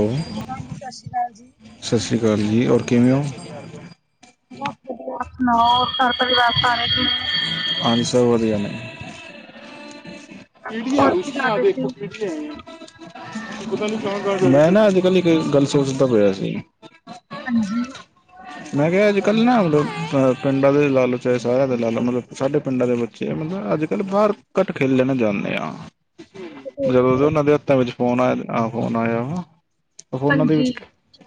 Hello ਹਾਂਜੀ ਸਤਿ ਸ੍ਰੀ ਅਕਾਲ ਜੀ ਸਤਿ ਸ਼੍ਰੀ ਅਕਾਲ ਜੀ ਔਰ ਕਿਵੇਂ ਹੋ ਬਸ ਹੋਰ ਸੁਣਾਓ ਘਰ ਪਰਿਵਾਰ ਸਾਰੇ ਕਿਵੇਂ ਹਾਂਜੀ ਸਬ ਵਧੀਯਾ ਨੇ ਕੀੜੀਆਂ ਹੋਰ ਕੀ ਕਰ ਰੁਸ਼ੀਆਂ ਰਹੇ ਸੀ? ਦੇਖੋ ਫੇਰ ਮੈਂ ਨਾ ਅੱਜ ਕੱਲ ਇੱਕ ਗੱਲ ਸੋਚਦਾ ਪਆ ਸੀ ਹਾਂਜੀ ਮੈਂ ਕਿਹਾ ਅੱਜ ਕੱਲ੍ਹ ਨਾ ਮਤਲਬਹ ਪਿੰਡਾਂ ਦੇ ਲਾ ਲਓ ਚਾਹੇ ਸਾਰਿਆਂ ਦੇ ਲਾ ਲਓ ਮਤਲਬ ਸਾਡੇ ਪਿੰਡਾਂ ਦੇ ਮਤਲਬ ਅੱਜ ਕੱਲ੍ਹ ਬਾਹਰ ਘੱਟ ਖੇਲਣ ਜਾਂਦੇ ਆ ਜਦੋਂ ਉਹਨਾਂ ਦੇ ਹੱਥਾਂ ਵਿੱਚ ਫੋਨ ਆ ਫੋਨ ਆਇਆ ਵ ਫੋਨਾਂ ਦੇ ਹਾਂਜੀ ਵਿੱਚ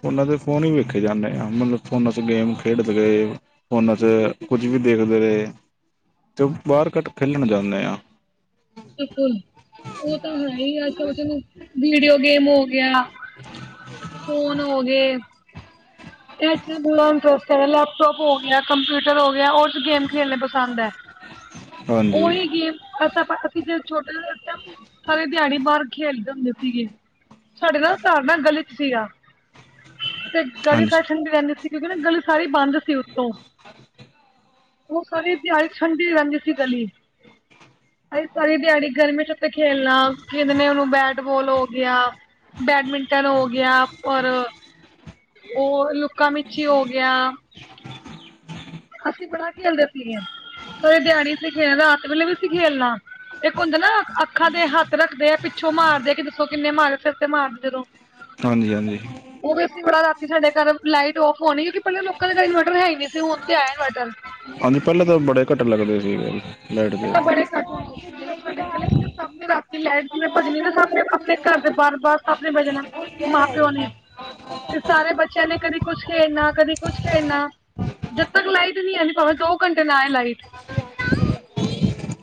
ਉਹਨਾਂ ਦੇ ਫੋਨ ਹੀ ਵੇਖੇ ਜਾਂਦੇ ਆਾਂ ਮਤਲਬ ਫੋਨਾਂ ਚ ਗੇਮ ਖੇਡਦੇ ਰਹੇ ਫੋਨਾਂ ਚ ਕੁਝ ਵੀ ਦੇਖਦੇ ਰਹੇ ਅਤੇ ਉਹ ਬਾਹਰ ਕੱਟ ਖੇਲਣ ਜਾਂਦੇ ਹਾਂ ਬਿਲਕੁਲ, ਉਹ ਤਾਂ ਹੈ ਹੀ। ਅੱਜ-ਕੱਲ ਬੱਚਿਆਂ ਨੂੰ ਵੀਡੀਓ ਗੇਮ ਹੋ ਗਿਆ। ਫੋਨ ਹੋ ਗਏ। ਇਹ ਚ ਬੜਾ ਇੰਟਰਸਟ ਹੈਗਾ ਹੈ। ਲੈਪਟੋਪ ਹੋ ਗਿਆ, ਕੰਪਿਊਟਰ ਹੋ ਗਿਆ। ਉਹ ਗੇਮ ਖੇਲਣੀ ਪਸੰਦ ਹੈ। ਹਾਂਜੀ ਉਹੀ ਗੇਮ ਅਸਾ ਪਤਾ ਸੀ ਅਸੀਂ ਜਦੋਂ ਛੋਟੇ ਜ ਸਾਰੀ ਦਿਹਾੜੀ ਬਾਹਰ ਖੇਡ ਦੇ ਹੁੰਦੇ ਸੀਗੇ। ਸਾਡੇ ਨਾਲ ਘਰ ਨਾ ਗਲੀ ਸੀਗਾ ਤੇ ਹਾਂਜੀ ਫੈਸ਼ਨ ਚ ਰਹਿੰਦੀ ਸੀ ਕਿਉਂਕਿ ਨਾ ਗਲੀ ਸਾਰੀ ਬੰਦ ਸੀ ਉੱਤੋਂ। [unintelligible] ਉਹ ਸਾਰੀ ਦਿਹਾੜੀ ਠੰਡੀ ਰਹਿੰਦੀ ਸੀ ਗਲੀ। ਅਸੀਂ ਸਾਰੀ ਦਿਹਾੜੀ ਗਰਮੀ ਚ ਉੱਤੇ ਖੇਲਣਾ ਖੇਡਣੇ ਨੂੰ ਬੈਟਬਾਲ ਹੋ ਗਿਆ। ਬੈਡਮਿੰਟਨ ਹੋ ਗਿਆ ਔਰ ਉਹ ਲੁੱਕਾਂ ਮਿਚੀ ਹੋ ਗਿਆ। ਅਸੀਂ ਬੜਾ ਖੇਲਦੇ ਸੀਗੇ। ਸਾਰੀ ਦਿਹਾੜੀ ਅਸੀਂ ਖੇਲਨਾ ਰਾਤ ਵੇਲੇ ਵੀ ਸੀ ਖੇਲਨਾ। ਇੱਕ ਹੁੰਦਾ ਨਾ ਅੱਖਾਂ ਦੇ ਹੱਥ ਰੱਖਦੇ ਆ, ਪਿੱਛੋਂ ਮਾਰਦੇ ਕਿ ਦੱਸੋ ਕਿੰਨੇ ਮਾਰਿਆ, ਸਿਰ ਤੇ ਮਾਰਦੇੋ ਜਦੋਂ। [unintelligible] ਹਾਂਜੀ-ਹਾਂਜੀ ਉਹ ਵੀ ਅਸੀਂ ਬੜਾ ਰਾਤੀ ਸਾਡੇ ਘਰ ਲਾਈਟ ਔਫ ਹੋਣੀ ਕਿਉਂਕਿ ਪਹਿਲਾ ਲੋਕਾਂ ਦੇ ਘਰ ਇਨਵਰਟਰ ਹੈ ਨਹੀਂ ਸੀ ਹੁਣ ਤੇ ਆਯੇ ਇਨਵਰਟਰ ਹਾਂਜੀ ਪਹਿਲੇਾਂ ਤਾਂ ਬੜੇ ਘੱਟ ਲੱਗਦੇ ਸੀ ਲਾਈਟ ਦੇ ਪਹਿਲਾਂ ਬੜੇ ਘੱਟ ਹੁੰਦੇ ਸੀਗੇ ਨਾ ਸਾਡੇ ਗਲੇ ਸਭ ਨੇ ਰਾਤੀ ਲਾਈਟ ਜਿਵੇਂ ਭੱਜਣੀ ਤੇ ਸਾਹਣੇ ਆਪਣੇ ਘਰ ਦੇ ਬਾਹਰ-ਬਾਹਰ ਸਭ ਨੇ ਬੈ ਜਾਣਾ ਮਾਂ-ਪਿਓ ਨੇ ਤੇ ਸਾਰੇ ਬੱਚਿਆਂ ਨੇ, ਕਦੇ ਕੁਛ ਖੇਡਣਾ, ਕਦੇ ਕੁੱਛ ਖੇਡਣਾ। ਜਦ ਤੱਕ ਲਾਈਟ ਨਹੀਂ ਹੈ, ਭਾਵੇਂ ਦੋ ਘੰਟੇ ਨਾ ਆਏ ਲਾਈਟ।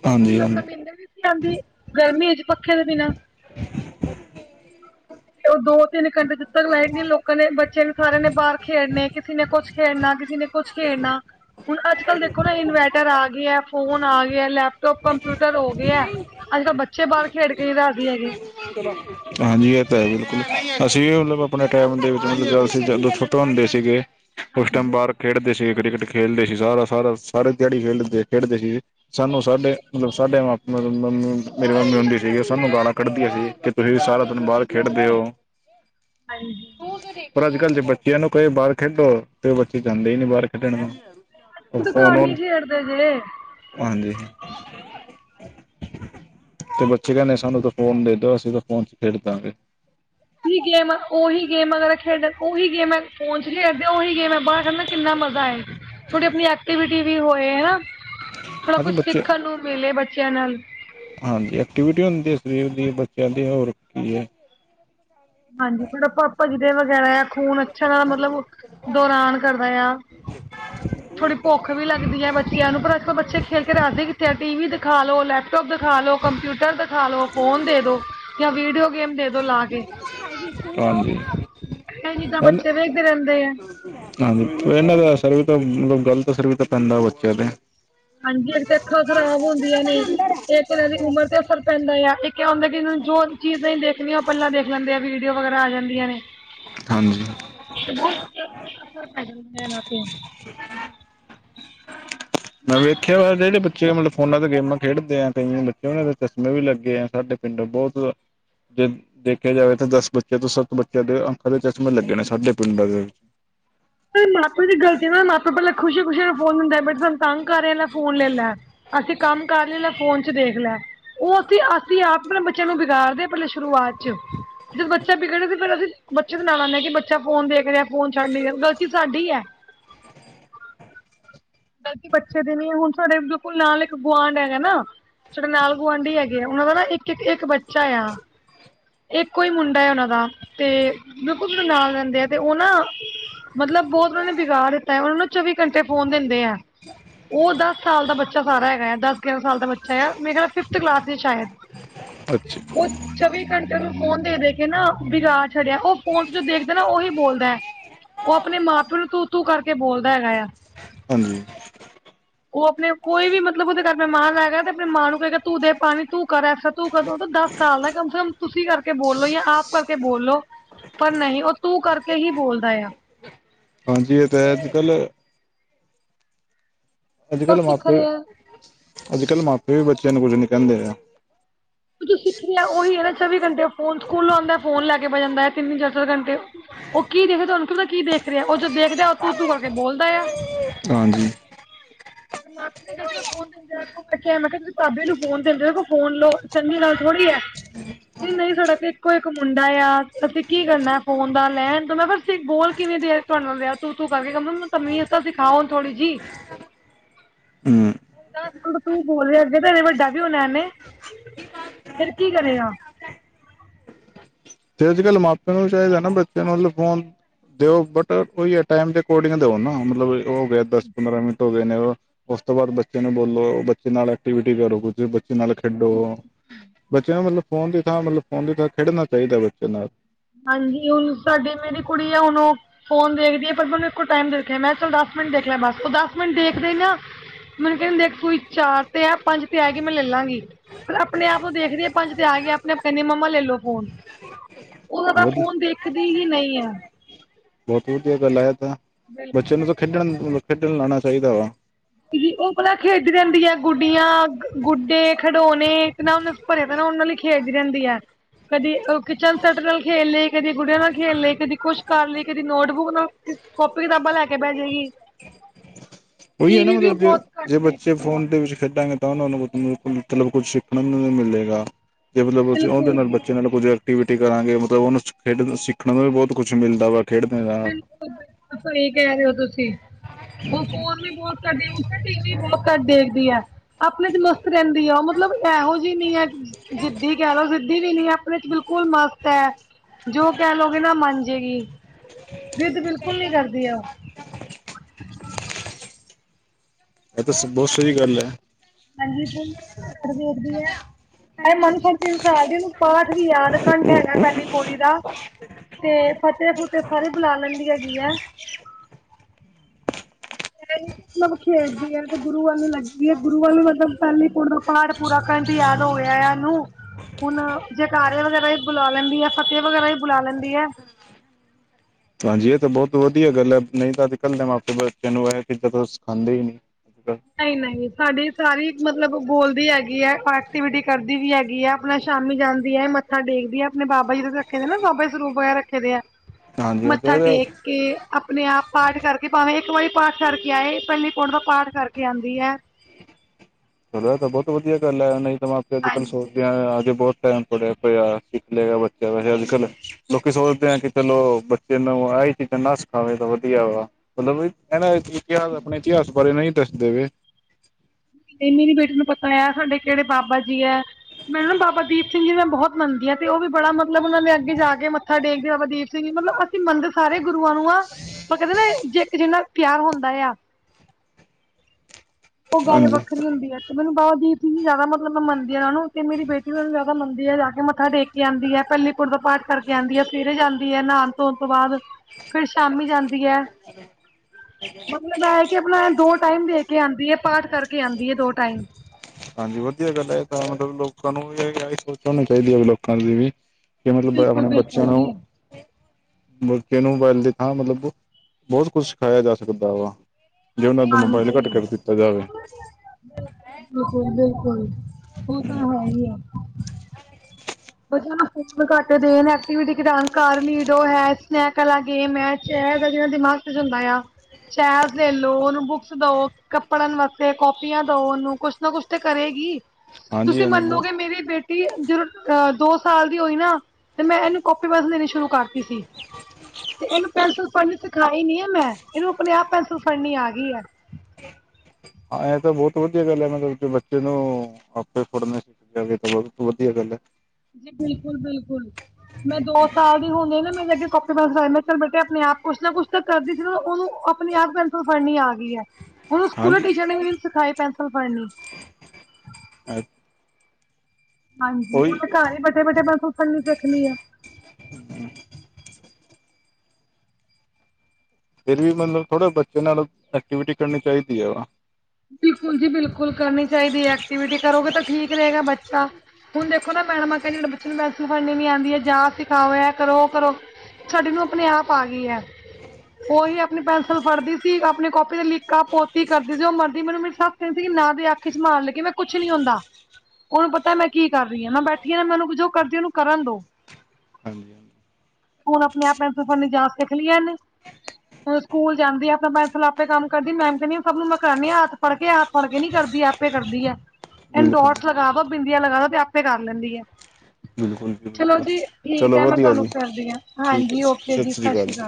ਹਾਂਜੀ ਲੋਕਾਂ ਹਾਂਜੀ ਨੂੰ ਨਿੰਦਰ ਵੀ ਨੀ ਆਂਦੀ, ਗਰਮੀ ਚ ਪੱਖੇ ਦੇ ਬਿਨਾਂ। ਤੇ ਉਹ ਦੋ-ਤਿੰਨ ਘੰਟੇ ਜਦ ਤੱਕ ਲਾਈਟ ਨੀਂ। ਲੋਕਾਂ ਨੇ, ਬੱਚਿਆਂ ਨੇ ਸਾਰਿਆਂ ਨੇ ਬਾਹਰ ਖੇਡਣੇ ਕਿਸੇ ਨੇ ਕੁੱਛ ਖੇਡਣਾ ਕਿਸੇ ਨੇ ਕੁੱਛ ਖੇਡਣਾ। ਹੁਣ ਅੱਜ-ਕਲ ਦੇਖੋ ਨਾ, ਇਨਵੈਟਰ ਆ ਗਿਐ, ਫੋਨ ਆ ਗਿਐ, ਲੈਪਟੋਪ, ਕੰਪਿਊਟਰ ਹੋ ਗਿਐ। ਅੱਜ-ਕੱਲ ਬੱਚੇ ਬਾਹਰ ਖੇਡ ਕੇ ਹੀ ਰਾਜੀ ਹੈਗੇ। [unintelligible] ਹਾਂਜੀ। ਇਹ ਤਾਂ ਹੈ, ਬਿਲਕੁਲ ਅਸੀਂ ਮਤਲਬ ਆਪਣੇ ਟਾਈਮ ਦੇ ਵਿੱਚ ਅਸੀਂ ਜਦੋਂ ਛੋਟੇ ਹੁੰਦੇ ਸੀਗੇ। ਉਸ ਟੈਮ ਬਾਹਰ ਖੇਡਦੇ ਸੀ, ਕ੍ਰਿਕਟ ਖੇਡਦੇ ਸੀ। ਸਾਰਾ-ਸਾਰਾ ਸਾਰੇ ਦਿਹਾੜੀ ਖੇਡਦੇ-ਖੇਡਦੇ ਸੀ ਸਾਨੂੰ ਸਾਡੇ ਮਤਲਬ ਸਾਡੇ ਮਾਪ ਮਤਲਬ ਮੰਮੀ ਮੇਰੀ ਮੰਮੀ ਹੁੰਦੀ, ਸੀਗੀ ਸਾਨੂੰ ਗਾਲ੍ਹਾ ਕੱਢਦੀ ਸੀ। ਕਿ ਤੁਸੀਂ ਤੁਨ ਅੱਛਾ ਬਾਹਰ ਜੀ, ਖੇਡਦੇ ਹੋ। ਹਾਂਜੀ। ਪਰ ਅੱਜ ਕੱਲ ਜੇ ਬੱਚਿਆਂ ਨੂੰ ਕਹੇ ਬਾਹਰ ਖੇਡੋ, ਤੇ ਉਹ ਬੱਚੇ ਜਾਂਦੇ ਹੀ ਨੀ ਬਾਹਰ ਖੇਡਣ ਨੂੰ। ਅੱਜ-ਕੱਲ ਘਰ ਫੋਨ ਨੀ ਹੁਨ ਖੇਡਦੇ ਜੇ। ਹਾਂਜੀ। ਤੇ ਬੱਚੇ ਕਹਿੰਦੇ ਸਾਨੂੰ ਤੇ ਫੋਨ ਦੇਦੋ, ਅਸੀਂ ਤਾਂ ਫੋਨ ਚ ਖੇਡ ਦਾਂਗੇ। ਉਹੀ ਗੇਮ, ਉਹੀ ਗੇਮ ਅਗਰ ਖੇਡਣ। ਉਹੀ ਗੇਮ ਹੈ ਫੋਨ ਚ ਖੇਡਦੇ, ਉਹੀ ਗੇਮ ਹੈ ਬਾਹਰ ਜਾਨਾ ਕਿੰਨਾ ਮਜ਼ਾ ਆਏ। ਥੋੜ੍ਹੀ ਆਪਣੀ ਐਕਟੀਵਿਟੀ ਵੀ ਹੋਏ ਹਨਾ। ਥੋੜਾ ਹਾਂਜੀ ਕੁਛ ਬੱਚੇ ਸਿੱਖਣ ਨੂੰ ਮਿਲੇ ਬੱਚਿਆਂ ਨਾਲ। ਹਾਂਜੀ। ਐਕਟੀਵਿਟੀ ਹੁੰਦੀ ਹੈ, ਸਰੀਰ ਦੀ, ਬੱਚਿਆਂ ਦੀ ਹੋਰ ਕੀ ਹੈ। ਹਾਂਜੀ ਥੋੜਾ ਭੱਜਦੇ ਵਗੈਰਾ ਆ, ਖੂਨ ਅੱਛਾ ਨਾਲ ਮਤਲਬ ਦੌਰਾਨ ਕਰਦਾ ਆ। ਥੋੜ੍ਹੀ ਭੁੱਖ ਵੀ ਲੱਗਦੀ ਹੈ ਬੱਚਿਆਂ ਨੂੰ। ਪਰ ਅੱਜ ਕਲ ਬੱਚੇ ਖੇਲ ਕੇ ਰਾਜੀ ਕਿੱਥੇ ਆ, ਟੀਵੀ ਦਿਖਾ ਲਓ, ਲੈਟ ਲੈਪਟੋਪ ਦਿਖਾ ਲੋ, ਕੰਪਿਊਟਰ ਦਿਖਾ ਲੋ, ਫੋਨ ਦੇ ਦੋ ਜਾਂ ਵੀਡੀਓ ਗੇਮ ਦੇ ਦੋ ਲਾ ਕੇ। ਹਾਂਜੀ। ਇਹ ਜਿੱਦਾਂ ਹਨ ਬੱਚੇ ਵੇਖਦੇ ਰਹਿੰਦੇ ਆ। ਹਾਂਜੀ। ਇਹਨਾਂ ਦਾ ਅਸਰ ਵੀ ਤਾਂ ਮਤਲਬ ਗ਼ਲਤ ਅਸਰ ਵੀ ਤਾਂ ਪੈਂਦਾ ਬੱਚਿਆਂ ਤੇ। ਹਾਂਜੀ। ਅੱਖਾਂ ਖ਼ਰਾਬ ਹੁੰਦੀਆਂ ਨੇ, ਇਕ ਇਹਨਾਂ ਦੀ ਉਮਰ ਤੇ ਅਸਰ ਪੈਂਦਾ ਆ। ਕ ਹੁੰਦਾ ਕਿ ਜੋ ਚੀਜ਼ ਨਹੀਂ ਦੇਖਣੀ, ਹੋ ਉਹ ਪਹਿਲਾਂ ਦੇਖ ਲੈਂਦੇ ਆ ਵੀਡੀਓ ਵਗੈਰਾ ਆ ਜਾਂਦੀਆਂ ਨੇ। ਹਾਂਜੀ। [inaudible] [unintelligible] ਮੈਂ ਵੇਖਿਆ ਹੋਇਆ, ਜਿਹੜੇ ਬੱਚੇ ਮਤਲਬ ਫੋਨਾਂ ਤੇ ਗੇਮਾਂ ਖੇਡਦੇ ਆ ਕਈ ਬੱਚੇ, ਉਹਨਾਂ ਦੇ ਚਸ਼ਮੇ ਵੀ ਲੱਗੇ ਆ ਸਾਡੇ ਪਿੰਡ ਬਹੁਤ। ਜੇ ਦੇਖਿਆ ਜਾਵੇ ਤਾਂ ਦਸ ਬੱਚਿਆਂ ਤੋਂ ਸੱਤ ਬੱਚਿਆਂ ਦੇ ਅੱਖਾਂ ਦੇ ਚਸ਼ਮੇ ਲੱਗੇ ਨੇ, ਸਾਡੇ ਪਿੰਡਾਂ ਦੇ। ਮਾਪੇ ਦੀ ਗਲਤੀ ਆ ਨਾ, ਮਾਪੇ ਪਹਿਲਾ ਖੁਸ਼ੀਆਂ- ਖੁਸ਼ੀਆਂ ਨੂੰ ਫੋਨ ਦਿੰਦੇ ਆ ਬੈਠੇ ਨੂੰ ਤੰਗ ਕਰ ਰਿਹਾ ਫੋਨ ਲੈ ਲੈ, ਅਸੀਂ ਕੰਮ ਕਰ ਰਹੇ ਆਂ ਲੈ ਲੈ ਫੋਨ ਚ ਦੇਖ ਲੈ। ਉਹ ਅਸੀਂ- ਅਸੀਂ ਆਪਣੇ ਬੱਚਿਆਂ ਨੂੰ ਵਿਗਾੜਦੇ ਆਂ, ਪਹਿਲਾਂ ਸ਼ੁਰੂਆਤ ਚ। ਜਦੋਂ ਬੱਚਾ ਵਿਗੜਿਆ ਤੇ ਫੇਰ ਅਸੀਂ ਬੱਚੇ ਦੇ ਨਾਂ ਲਾਂਦੇ ਹਾਂ, ਕਿ ਬੱਚਾ ਫੋਨ ਦੇਖ ਰਿਹਾ, ਫੋਨ ਛੱਡ ਨੀ ਰਿਹਾ, ਗਲਤੀ ਸਾਡੀ ਐ। ਗ਼ਲਤੀ ਬੱਚੇ ਦੀ ਨੀ ਐ, ਹੁਣ ਸਾਡੇ ਬਿਲਕੁਲ ਨਾਲ ਇੱਕ ਗੁਆਂਢ ਹੈਗਾ ਨਾ ਜਿਹੜੇ ਨਾਲ ਗੁਆਂਢੀ ਹੈਗੇ ਆ, ਉਹਨਾਂ ਦਾ ਨਾ ਇੱਕ- ਇੱਕ ਬੱਚਾ ਆ। ਇੱਕੋ ਹੀ ਮੁੰਡਾ ਐ ਉਹਨਾਂ ਦਾ, ਤੇ ਬਿਲਕੁਲ ਮੈਨੂੰ ਨਾਲ ਰਹਿੰਦੇ ਆ, ਤੇ ਉਹ ਨਾ ਮਤਲਬ ਬਹੁਤ ਉਹਨਾਂ ਨੇ ਬਿਗਾੜ ਦਿੱਤਾ, ਉਹ ਨਾ ਉਹਨੂੰ ਚੌਵੀ ਘੰਟੇ ਫੋਨ ਦਿੰਦੇ ਐ। ਉਹ ਦਸ ਸਾਲ ਦਾ ਬੱਚਾ ਸਾਰਾ ਹੈਗਾ ਆ। ਦਸ, ਗਿਆਰਾਂ ਸਾਲ ਦਾ ਬੱਚਾ ਆ, ਮੇਰਾ ਖਿਆ ਫਿਫਥ ਕਲਾਸ ਚ ਸ਼ਾਇਦ? ਅੱਛਾ [unintelligible] ਚੌਵੀ ਘੰਟਿਆਂ ਨੂੰ ਫੋਨ ਦੇ ਦੇ ਕੇ ਨਾ ਬਿਗਾੜ ਛੱਡਿਆ। ਉਹ ਫੋਨ ਤੇ ਜੋ ਦੇਖਦਾ ਨਾ, ਉਹੀ ਬੋਲਦਾ ਹੈ। ਉਹ ਆਪਣੇ ਮਾਂਪਿਓ ਨੂੰ ਤੂੰ ਤੂੰ ਕਰਕੇ ਬੋਲਦਾ ਹੈਗਾ ਆ। ਹਾਂਜੀ। ਉਹ ਆਪਣੇ ਕੋਈ ਵੀ ਮਤਲਬ ਉਹਦੇ ਘਰ ਮਹਿਮਾਨ ਆਏਗਾ ਤੇ ਆਪਣੀ ਮਾਂ ਨੂੰ ਕਹਿਗਾ ਤੂੰ ਦੇ ਪਾਣੀ, ਤੂੰ ਕਰ ਐਸਾ, ਤੂੰ ਕਰ ਦ ਦੱਸ ਦਾ ਕਮ ਸੇ ਕਮ ਤੁਸੀਂ ਕਰਕੇ ਬੋਲੋ, ਜਾਂ ਆਪ ਕਰਕੇ ਬੋਲੋ। ਪਰ ਨਹੀਂ, ਉਹ ਤੂੰ ਕਰਕੇ ਹੀ ਬੋਲਦਾ ਆ। ਹਾਂਜੀ ਇਹ ਤਾ ਹੈ, ਅੱਜ -ਕੱਲ ਅੱਜ ਉਹ -ਕੱਲ ਸਿੱਖ ਮਾਪੇ, ਰਿਹਾ ਅੱਜ -ਕੱਲ ਮਾਪੇ ਵੀ ਬੱਚਿਆਂ ਨੂੰ ਕੁਝ ਨੀ ਕਹਿੰਦੇ ਆ। ਸਿੱਖ ਰਿਹਾ ਉਹੀ ਹੈ ਨਾ ਚੌਵੀ ਘੰਟੇ ਫੋਨ, ਸਕੂਲੋਂ ਆਉਂਦਾ ਫੋਨ ਲੈ ਕੇੈ ਬਹਿ ਜਾਂਦਾ ਐ, ਤਿੰਨ- ਤਿੰਨ ਚਾਰ -ਚਾਰ ਘੰਟੇ। ਉਹ ਕੀ ਦੇਖਦੇ ਤੁਹਾਨੂੰ ਕੀ ਪਤਾ ਕੀ ਦੇਖ ਰਿਹਾ, ਉਹ ਜਦ ਦੇਖਦਾ ਆ ਤੂੰ- ਤੂੰ ਕਰਕੇ ਬੋਲਦਾ ਆ। ਹਾਂਜੀ, [inaudible] ਫੋਨ ਦਿੰਦੇ ਮੈਂ ਕਿਹਾ, ਮੈਂ ਕਿਹਾ ਤੁਸੀਂ ਸਾਬੇ ਨੂੰ ਫੋਨ ਦਿੰਦੇ ਓ, ਦੇਖੋ ਫੋਨ ਲੋ ਚੰਗੀ ਗੱਲ ਥੋੜ੍ਹੀ ਐ। ਨਹੀਂ -ਨਹੀਂ ਸਾਡਾ ਇੱਕੋ ਇੱਕ ਮੁੰਡਾ ਆ, ਅਸੀਂ ਕੀ ਕਰਨਾ ਫੋਨ ਦਾ ਲੈਣ ਦੋ, ਮੈਂ ਪਰ ਬੋਲ ਕਿਵੇਂ ਦੇ ਆ। ਤੁਹਾਨੂੰ ਲਿਆ ਤੂੰ- ਤੂੰ ਕਰ, ਤਮੀਜ਼ ਤਾਂ ਸਿਖਾਓ ਥੋੜ੍ਹੀ ਜਹੀ। ਹੂੰ ਦੱਸ ਤੂੰ ਬੋਲ ਰਿਹਾ, ਅੱਗੇ ਤੈਂ ਤੂੰ ਵੱਡਾ ਵੀ ਹੋਣਾ ਇਹਨੇ, ਫੇਰ ਕੀ ਕਰੇਗਾ। ਤੇ ਅੱਜ -ਕੱਲ੍ਹ ਮਾਪਿਆਂ ਨੂੰ ਵੀ ਚਾਹੀਦਾ ਨਾ, ਮਤਲਬ ਬੱਚਿਆਂ ਨੂੰ ਫੋਨ ਦਿਓ ਬਟ ਉਹੀ ਹੈ ਟਾਈਮ ਦੇ ਅਕੋਰਡਿੰਗ ਦਿਓ ਨਾ, ਮਤਲਬ ਉਹ ਹੋ ਗਿਆ ਦਸ ਪੰਦਰਾਂ ਮਿੰਟ ਹੋ ਗਏ ਨੇ, ਉਹ ਉਸ ਤੋਂ ਬਾਅਦ ਬੱਚੇ ਨੂੰ ਬੋਲੋ, ਬੱਚੇ ਨਾਲ ਐਕਟੀਵਿਟੀ ਕਰੋ ਕੁਝ, ਬੱ ਬੱਚੇ ਨਾਲ ਖੇਡੋ, ਬੱਚਿਆਂ ਨੂੰ ਮਤਲਬ ਫੋਨ ਦੀ ਥਾਂ ਮਤਲਬ ਫੋਨ ਦੀ ਥਾਂ ਖੇਡਣਾ ਚਾਹੀਦਾ, ਬੱਚੇ ਨਾਲ। ਹਾਂਜੀ, ਹੁਣ ਸਾਡੀ ਮੇਰੀ ਕੁੜੀ ਆ ਹੁਣ ਉਹ ਫੋਨ ਦੇਖਦੀ ਆ, ਪਰ ਮੈਂ ਉਹਨੂੰ ਇੱਕੋ ਟਾਈਮ ਦਿੰਦੀ ਆਂ, ਮੈਂ ਚਲ ਦਸ ਮਿੰਟ ਦੇਖ ਲੈ ਬਸ, ਉਹ ਦਸ ਮਿੰਟ ਦੇਖਦੇ ਨਾ ਮੈਨੂੰ ਕਹਿੰਦੇ ਦੇਖ ਸੂਈ ਚਾਰ ਤੇ ਐ, ਪੰਜ ਤੇ ਆਏਗੀ ਮੈਂ ਲੈ ਲਾਂਗੀ। ਫੇਰ ਆਪਣੇ ਆਪ ਨੂੰ ਦੇਖਦੀਏ ਪੰਜ ਤੇ ਆ ਗਿਆ, ਆਪਣੇ ਆਪ ਕਹਿੰਦੀ ਮੰਮਾ ਲੈ ਲੋ ਫੋਨ। ਜ਼ਾਦਾ ਵਧੀਆ ਫੋਨ ਦੇਖਦੀ ਹੀ ਨਹੀਂ ਐ। ਬਹੁਤ ਵਧੀਆ ਗੱਲ ਐ ਇਹ ਤਾਂ, ਬਿਲਕੁਲ ਬੱਚੇ ਨੂੰ ਤਾਂ ਖੇਡਣ- ਖੇਡਣ ਲਾਣਾ ਚਾਹੀਦਾ ਵਾ। ਉਹ ਪਲਾ ਖੇਡਦੀ ਰਹਿੰਦੀ ਐ, ਗੁੱਡੀਆਂ, ਗੁੱਡੇ ਖਿਡੋਣੇ ਤੇ ਨਾ ਉਹਨੂੰ ਭਰਿਆ ਤਾਂ ਨਾ ਉਹਨਾਂ ਲਈ ਖੇਡਦੀ ਰਹਿੰਦੀ ਐ। ਕਦੀ ਕਿਚਨ ਸੈੱਟ ਨਾਲ ਖੇਲ ਲਏ, ਕਦੀ ਗੁੜੀਆਂ ਨਾਲ ਖੇਡ ਲਏ, ਕਦੀ ਕੁਛ ਕਰ ਲਏ, ਕਦੀ ਨੋਟਬੁੱਕ ਨਾਲ ਕਾਪੀ ਕਿਤਾਬਾਂ ਲੈ ਕੇ ਬਹਿ ਜੇਗੀ। ਉਹੀ ਹੈ ਨਾ ਮਤਲਬ, ਬਹੁਤ ਘੱਟ ਜੇ ਬੱਚੇ ਦੇਖਦੀ ਆ ਫੋਨ ਦੇ ਵਿੱਚ ਖੇਡਾਂਗੇ ਤਾਂ ਉਹਨਾਂ ਨੂੰ ਮਤਲਬ ਕੁੱਝ ਸਿੱਖਣ ਨੂੰ ਮਿਲੇਗਾ, ਜੇ ਮਤਲਬ ਉਹਦੇ ਬਿਲਕੁਲ ਨਾਲ ਬੱ ਜਿਹਨਾਂ ਨੂੰ ਕੁਝ ਐਕਟੀਵਿਟੀ ਕਰਾਂਗੇ, ਮਤਲਬ ਉਹਨਾਂ ਨੂੰ ਖੇਡਣ ਨੂੰ, ਸਿੱਖਣ ਨੂੰ ਵੀ ਬਹੁਤ ਕੁਛ ਮਿਲਦਾ ਵਾ। ਖੇਡਦੇ ਨਾਲ ਬਿਲਕੁਲ- ਬਿਲਕੁਲ ਸਹੀ ਕਹਿ ਰਹੇ ਹੋ ਤੁਸੀਂ, ਉਹ ਫੋਨ ਫੋਨ ਵੀ ਬਹੁਤ ਘੱਟ ਯੂਜ਼, ਟੀ ਵੀ ਵੀ ਬਹੁਤ ਘੱਟ ਦੇਖਦੀ ਐ। ਆਪਣੇ ਚ ਮਸਤ ਰਹਿੰਦੀ ਆ ਉਹ ਮਤਲਬ ਇਹੋ ਜਿਹੀ ਨਹੀਂੀ ਹੈ ਜਿੱਦੀ ਕਹਿ ਲਓ ਸਿੱਧ ਵੀ ਨੀ ਹੈ ਆਪਣੇ ਚ ਬਿਲਕੁਲ ਮਸਤ ਐ ਜੋ ਕਹਿ ਲੋਓਗੇ ਨਾ ਮੰਨ ਜਾੇਗੀ। ਜਿੱਦ ਬਿਲਕੁਲ ਨੀ ਕਰਦੀ ਐ ਓ [inaudible] ਇਹ ਤਾਂ ਸ ਬਹੁਤ ਸਹੀ ਗੱਲ ਐ [unintelligible] ਤਕਰੀਬਨ ਸਾਢੇ ਤਿੰਨ ਸਾਲ ਦੀ ਹੈ। ਪਾਠ ਵੀ ਯਾਦ ਐ ਕੰਠ ਹੈਗਾ ਪਹਿਲੀ ਪੌੜੀ ਦਾ ਤੇ ਫਤਿਹ ਫੂਤੇ ਸਾਰੀ ਬੁਲਾ ਲੈਂਦੀ ਹੈਗੀ ਐ ਮਤਲਬ ਖੇਡਦੀ ਏ ਤੇ ਗੁਰੂ ਵੱਲ ਨੂੰ ਲੱਗੀ ਐ ਗੁਰੂ ਵੱਲ ਨੂੰ ਮਤਲਬ ਪਹਿਲੀ ਪੌੜੀ ਦਾ ਪਾਠ ਪੂਰਾ ਕੰਠ ਯਾਦ ਹੋ ਗਿਆ ਇਹਨੂੰ ਹੁਣ ਜੈਕਾਰੇ ਵਗੈਰਾ ਹੀ ਬੁਲਾ ਲੈਂਦੀ ਹੈ, ਫਤਿਹ ਵਗੈਰਾ ਹੀ ਬੁਲਾ ਲੈਂਦੀ ਹੈ ਹਾਂਜੀ ਇਹ ਤਾਂ ਬਹੁਤ ਵਧੀਆ ਗੱਲ ਐ ਨਹੀਂ ਤਾਂ ਅੱਜ ਕੱਲ ਦੇ ਮਾਪੇ ਬੱਚਿਆਂ ਨੂੰ ਇਹ ਕਿਵੇ ਦਾ ਸਿਖਾਂਦੇ ਈ ਨਹੀਂ ਨਹੀਂ ਨਹੀਂ ਸਾਡੀ ਸਾਰੀ ਮਤਲਬ ਬੋਲਦੀ ਹੈਗੀ ਹੈ, ਐਕਟੀਵਿਟੀ ਕਰਦੀ ਵੀ ਹੈਗੀ ਹੈ। ਆਪਣਾ ਸ਼ਾਮੀ ਜਾਂਦੀ ਐ ਮੱਥਾ ਟੇਕਦੀ ਐ, ਆਪਣੇ ਬਾਬਾ ਜੀ ਰੱਖੇ ਦੇ ਨਾ, ਬਾਬਾ ਸਰੂਪ ਵਗੈਰਾ ਰੱਖੇ ਦੇ ਆ। ਹਾਂਜੀ ਮੱਥਾ ਹਾਂਜੀ ਟੇਕ ਕੇ ਆਪਣੇ ਆਪ ਪਾਠ ਕਰਕੇ ਭਾਵੇਂ ਇੱਕ ਵਾਰੀ ਪਾਠ ਕਰਕੇ ਆਏ, ਪਹਿਲੀ ਪੌੜੀ ਦਾ ਪਾਠ ਕਰਕੇ ਆਂਦੀ ਐ। ਚਲੋ ਇਹ ਤਾਂ ਬਹੁਤ ਵਧੀਆ ਗੱਲ ਐ, ਨਹੀਂ ਤਾਂ ਆਪੇ ਅੱਜ- ਕੱਲ੍ਹ ਹਾਂਜੀ ਸੋਚ ਅੱਜ ਬਹੁਤ ਟਾਈਮ ਪੜਿਆ ਪਇਆ, ਸਿੱਖ ਲੇਗਾ ਬੱਚਾ ਅੱਜ- ਕੱਲ੍ਹ ਲੋਕੀ ਸੋਚਦੇ ਆ ਕਿ ਚਲੋ ਬੱਚੇ ਨੂੰ ਆਹੀ ਚੀਜ਼ਾਂ ਨਾ ਸਿਖਾਵੇ, ਤਾਂ ਵਧੀਆ ਵਾ। ਮਤਲਬ ਇ ਇਤਿਹਾਸ ਆਪਣੇ ਇਤਿਹਾਸ ਬਾਰੇ ਨਹੀਂ ਦੱਸਦੇ ਵੇ ਤੇ ਮੇਰੀ ਬੇਟੀ ਨੂੰ ਪਤਾ ਏ ਸਾਡੇ ਕਿਹੜੇ ਬਾਬਾ ਜੀ ਐ ਮੈਂ ਨਾ ਬਾਬਾ ਦੀਪ ਸਿੰਘ ਜੀ ਮੈਂ ਬਹੁਤ ਮੰਨਦੀ ਹਾਂ ਤੇ ਉਹ ਵੀ ਬੜਾ ਮਤਲਬ ਉਹਨਾਂ ਨੇ ਅੱਗੇ ਜਾ ਕੇ ਮੱਥਾ ਟੇਕਦੇ ਬਾਬਾ ਦੀਪ ਸਿੰਘ ਜ ਮਤਲਬ ਮੰਨਦੇ ਸਾਰੇ ਗੁਰੂਆਂ ਨੂੰ ਆ ਪਰ ਕਹਿੰਦੇ ਨਾ ਜੇ ਇੱਕ ਜਿਸ ਨਾਲ ਪਿਆਰ ਹੁੰਦਾ ਆ ਉਹ ਗੱਲ ਹਾਂਜੀ ਵੱਖਰੀ ਹੁੰਦੀ ਹੈ ਤੇ ਮੈਨੂੰ ਬਾਬਾ ਦੀਪ ਸਿੰਘ ਜ਼ਿਆਦਾ ਮਤਲਬ ਮ ਮੰਨਦੀ ਊਨਾ ਨੂੰ ਤੇ ਮੇਰੀ ਬੇਟੀ ਓ ਨੂੰ ਜਿਆਦਾ ਮੰਨਦੀ ਆ ਜਾ ਕੇ ਮੱਥਾ ਟੇਕ ਆਉਂਦੀ ਹੈ ਪਹਿਲੀ ਪੌੜੀ ਦਾ ਪਾਠ ਕਰਕੇ ਆਉਂਦੀ ਹੈ ਫੇਿਰ ਜਾਂਦੀ ਹੈ ਨਹਾਣ ਧੋਣ ਤੋਂ ਬਾਅਦ ਫਰ ਸ਼ਾਮੀ ਜਾਂਦੀ ਐ ਮਤਲਬ ਐ ਏ ਕਿ ਆਪਣਾ ਦੋ ਟਾਈਮ ਦੇ ਕੇ ਆਂਦੀ ਹੈ। ਪਾਠ ਕਰਕੇ ਆਉਂਦੀ ਏ ਦੋ ਟਾਈਮ। ਹਾਂਜੀ ਵਧੀਆ ਗੱਲ ਹੈ ਇਹ ਤਾਂ ਮਤਲਬ ਲੋਕਾਂ ਨੂੰ ਵੀ ਇਹ ਆਹੀ ਸੋਚ ਹੋਣੀ ਚਾਹੀਦੀ ਹੈ ਵੀ ਲੋਕਾਂ ਦੀ ਵੀ ਕਿ ਮਤਲਬ ਬਿਲਕੁਲ ਆਪਣੇ ਬੱਚਿਆਂ ਬਿਲਕੁਲ ਨੂੰ ਜੀ ਬ ਨੂੰ ਬੈਲ ਦੀ ਥਾਂ ਮਤਲਬ ਬਹੁਤ ਕੁਸ਼ ਸਿਖਾਇਆ ਜਾ ਸਕਦਾ ਵਾ। ਜੇ ਉਹਨਾਂ ਦਾ ਮੋਬਾਇਲ ਹਾਂਜੀ ਘੱਟ ਕਰ ਦਿੱਤਾ ਜਾਵੇ ਬਿਲਕੁਲ ਬਿਲਕੁਲ ਉਹ ਤਾਂ ਹੈ ਹੀ ਐ ਬੱਚਿਆਂ ਨੂੰ ਫੋਨ ਘੱਟ ਦੇਣ ਐਕਟੀਵਿਟੀ ਖਿਡਾਨ ਘਰ ਲੀਡੋ ਹੈ, ਸਨੈਕ ਆਲਾ ਗੇਮ ਐ। ਏ ਵਾ ਜਿਵੇ ਦਿਮਾਗ ਚ ਹੁੰਦਾ ਆ ਚੇਸ ਲੈ ਲੋ ਓਨੂੰ ਬੁੱਕਸ ਦਓ ਪੜਨ ਵਾਸਤੇ ਕਾਪੀਆ ਦਓ ਉਹਨੂੰ ਕੁਛ ਨਾ ਕੁਛ ਤੇ ਕਰੇਗੀ। ਹਾਂਜੀ ਤੁਸੀਂ ਹਾਂਜੀ ਬਹੁਤ ਮੰਨੋਗੇ ਮੇਰੀ ਬੇਟੀ ਜ਼ਰ ਅਹ ਦੋ ਸਾਲ ਦੀ ਹੋਈ ਨਾ ਤੇ ਮੈਂ ਇਹਨੂੰ ਕਾਪੀ ਪੈਂਸਲ ਦੇਣੀ ਸ਼ੁਰੂ ਕਰਤੀ ਸੀ ਤੇ ਇਹਨੂੰ ਪੈਨਸਿਲ ਫੜਨੀ ਸਿਖਾਈ ਨੀ ਆ ਮੈਂ ਇਹਨੂੰ ਆਪਣੇ ਆਪ ਪੈਨਸਿਲ ਫੜਨੀ ਆ ਗੀ ਐ। ਹਾਂ ਇਹ ਤਾਂ ਬਹੁਤ ਵਧੀਆ ਗੱਲ ਹੈ ਮਤਲਬ ਕਿ ਬੱਚੇ ਨੂੰ ਆਪੇ ਫੜਨੇ ਵਧੀਆ ਗੱਲ ਹੈ ਜੀ ਬਿਲਕੁਲ ਬਿਲਕੁਲ ਮੈਂ ਦੋ ਸਾਲ ਦੀ ਹੁੰਦਿਆਂ ਨਾ ਮੈ ਇਹਦੇ ਅੱਗੇ ਕਾਪੀ ਪੈਨਸਲ ਰ ਮ ਚਲ ਬੇਟੇ ਆਪਣੇ ਆਪ ਕੁਛ ਨਾ ਕੁਛ ਤਾਂ ਕਰਦੀ ਸੀ ਉਹਨੂੰ ਆਪਣੀ ਆਪ ਪੈਨਸਲ ਫੜਨੀ ਆ ਗਈ ਏ ਹੁਣ ਸਕੂਲੇ ਹਾਂਜੀ ਟੀਚਰ ਨੇ ਵੀ ਨੀ ਸਿਖਾਈ ਪੈਸਲ ਫੜਨੀ ਐ ਹਾਂਜੀ ਉਹਦੇ ਘਰ ਹੀ ਬੈਠੇ ਬੈਠੇ ਪੈਨਸਲ ਫੜਨੀ ਸਿੱਖ ਲਈ ਏ ਫੇਿਰ ਵੀ ਮਤਲਬ ਥੋੜਾ ਬੱਚੇ ਨਾਲ ਐਕਟੀਵਿਟੀ ਕਰਨੀ ਚਾਹੀਦੀ ਐ ਵਾ। ਬਿਲਕੁਲ ਜੀ ਬਿਲਕੁਲ ਕਰਨੀ ਚਾਹੀਦੀ ਹੈ ਐਕਟੀਵਿਟੀ ਕਰੋਗੇ ਤਾਂ ਠੀਕ ਰਹੇਗਾ ਬੱਚਾ ਹੁਣ ਦੇਖੋ ਨਾ ਮੈਡਮਆ ਕਹਿੰਦੀਆ ਤੁਹਾਡੇ ਬੱਚੇ ਨੂੰ ਪੈਨਸਲ ਫੜਨੀ ਨੀ ਆਉਂਦੀ ਐ ਜਾਚ ਸਖਾਓ ਇਹ ਕਰੋ ਉਹ ਕਰੋ ਸਾਡੇ ਨੂੰ ਆਪਣੇ ਆਪ ਆ ਗਈ ਹੈ ਉਹੀ ਆਪਣੀ ਪੈਨਸਿਲ ਫੜਦੀ ਸੀ ਆਪਣੀ ਕਾਪੀ ਤੇ ਲੀਕਾ ਪੋਤੀ ਕਰਦੀ ਸੀ ਉਹ ਮਰਦੀ ਮੈਨੂੰ ਮੈੂੰ ਸੱਸ ਕਹਿੰ ਸੀ ਕਿ ਨਾ ਦੇ ਆਖੀ ਚ ਮਾਰ ਲੱਗੇ ਮੈਂ ਕੁੱ ਨੀਉਂਦਾ ਉਹਨੂੰ ਪਤਾ ਮੈਂ ਕੀ ਕਰ ਰਹੀ ਹਾਂ ਮੈਂ ਬੈਠੀ ਹ ਨਾ ਮੈਂਨੂੰ ਜੋ ਕਰਦੀ ਉਹਨੂੰ ਕਰਨ ਦੋ ਹਾਂਜੀ ਹਾਂਜੀ ਹੁਣ ਆਪਣੇ ਆਪ ਪੈਨਸਿਲ ਫੜਨ ਦੀ ਜਾਚ ਸਿੱਖ ਲਈਏ ਨੇ ੁਣ ਸਕੂਲ ਜਾਂਦੀ ਆ ਆਪਣਾ ਪੈਸਲ ਆਪੇ ਕੰਮ ਕਰਦੀ ਮੈੈਂ ਕਹਿੰਦੀ ਹਾਂ ਸਭ ਨੂੰ ਮੈਂ ਕਰਾਂਦੀ ਹ ਆ ਹੱਥ ਫੜਕੇ ਹੱਥ ਫੜ ਕੇ ਨੀ ਕਰਦੀ ਆਪੇ ਕਰਦੀ ਹੈ ਬਿਲਕੁਲ ਇਡੋਟਸ ਲਗਾ ਵ ਬਿੰਦੀਆਂ ਲਗਾ ਦ ਤੇ ਆਪੇ ਕਰ ਲੈਂਦੀ ਆ ਬਿਲਕੁਲ ਜੀ ਬਿਲਕੁਲ ਚਲੋ ਵਧੀਆ ਤੁਹਾਨੂੰ ਜੀ ਕਰਦੀ ਹਾਂ ਠੀਕ ਹੈ ਹਾਂਜੀ ਜੀ ਓਕੇ ਸਤਿ ਸ਼੍ਰੀ ਅਕਾਲ ਜੀ